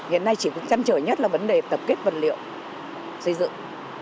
hiện nay chỉ chăm chở nhất là vấn đề tập kết vật liệu xây dựng